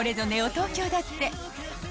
東京だって。